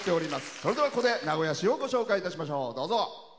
それでは、ここで名古屋市をご紹介いたしましょう。